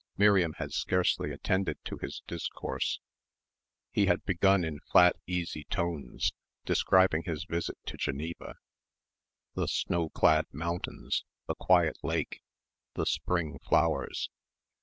Miriam had scarcely attended to his discourse. He had begun in flat easy tones, describing his visit to Geneva, the snowclad mountains, the quiet lake, the spring flowers.